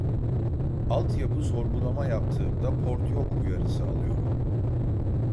Altyapı sorgulama yaptığımda port yok uyarısı alıyorum